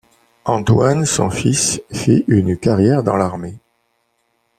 Antoine, son fils, fit une carrière dans l’armée.